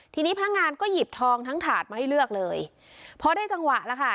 ทีนี้พนักงานก็หยิบทองทั้งถาดมาให้เลือกเลยพอได้จังหวะแล้วค่ะ